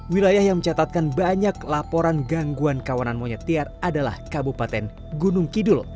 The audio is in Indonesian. wilayah yang mencatatkan banyak laporan gangguan kawanan monyet tiar adalah kabupaten gunung kidul